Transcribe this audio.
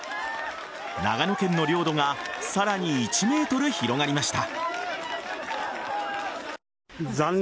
長野県の領土が、さらに１ｍ広がりました。